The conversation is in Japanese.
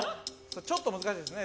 ちょっと難しいですね